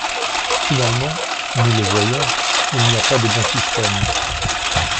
Finalement, nous le voyons, il n’y a pas de bon système.